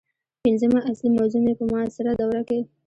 پنځمه اصلي موضوع مې په معاصره دوره کې